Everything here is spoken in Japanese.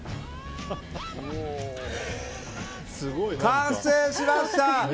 完成しました！